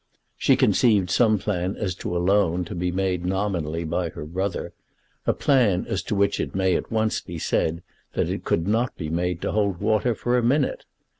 She conceived some plan as to a loan to be made nominally by her brother, a plan as to which it may at once be said that it could not be made to hold water for a minute.